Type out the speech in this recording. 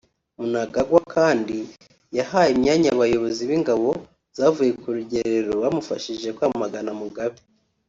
Mnangagwa kandi yahaye imyanya abayobozi b’ingabo zavuye ku rugerero bamufashije kwamagana Mugabe